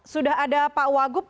sudah ada pak wagup